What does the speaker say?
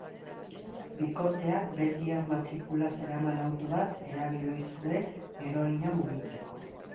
Bikoteak belgiar matrikula zeraman auto bat erabil ohi zuen heroina mugitzeko.